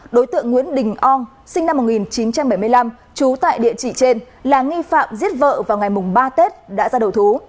đối tượng nguyễn đình ong sinh năm một nghìn chín trăm bảy mươi năm trú tại địa chỉ trên là nghi phạm giết vợ vào ngày ba tết đã ra đầu thú